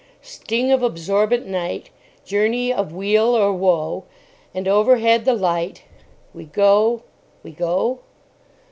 Sting of absorbent night: Journey of weal or woe: And overhead the light: We go—we go?